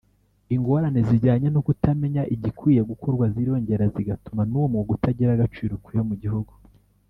ingorane zijyanye no kutamenya igikwiye gukorwa ziriyongera zigatuma n’uwo mwuga utagira agaciro ukwiye mu gihugu